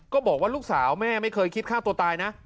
ก็บอกว่าลูกสาวแม่ไม่เคยคิดฆ่าตัวตายนะ